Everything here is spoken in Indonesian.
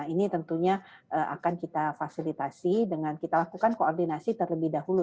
ini tentunya akan kita fasilitasi dengan kita lakukan koordinasi terlebih dahulu